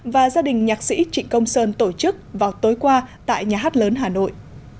và gia đình nhạc sĩ trịnh công sơn tổ chức vào tối qua tại nhà hát lớn hà nội